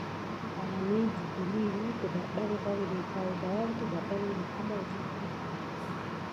Aya midi guəli mi kədaɗɗan vandi kay ɓa vi kawgap ana wəza guguhə.